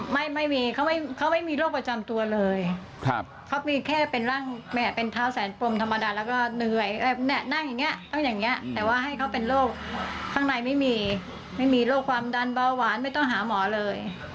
ไม่มีเขาไม่มีโรคประจำตัวเลยเขามีแค่เป็นร่างแม่เป็นเท้าแสนปรมธรรมดาแล้วก็เหนื่อยนั่งอย่างนี้ต้องอย่างนี้แต่ว่าให้เขาเป็นโรคข้างในไม่มีไม่มีโรคความดันเบาหวานไม่ต้องหาหมอเลย